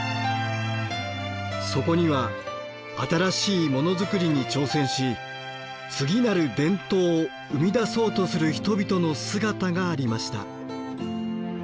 そこには新しいモノ作りに挑戦し次なる伝統を生み出そうとする人々の姿がありました。